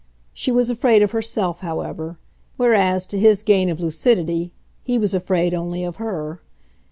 She was afraid of herself, however; whereas, to his gain of lucidity, he was afraid only of her.